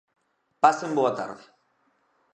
Pasen boa tarde.